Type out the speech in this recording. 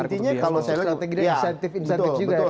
ya intinya kalau strategi ini ada insentif insentif juga ya